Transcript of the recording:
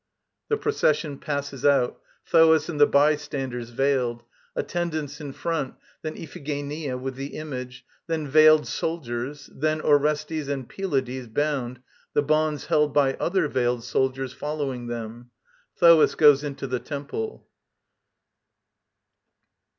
[The procession passes out, THOAS and the bystanders veiled; Attendants in front, then IPHIGENIA with the Image, then veiled Soldiers, then ORESTES and PYLADES bound, the bonds held by other veiled Soldiers following them. THOAS goes into the Temple.